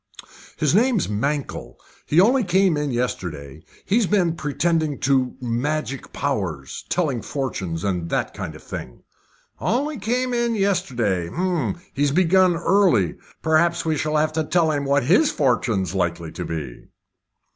"His name's Mankell. He only came in yesterday. He's been pretending to magic powers telling fortunes, and that kind of thing." "Only came in yesterday? He's begun early. Perhaps we shall have to tell him what his fortune's likely to be."